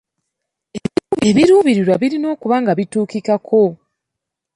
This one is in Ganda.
Ebiruubirirwa birina okuba nga bituukikako.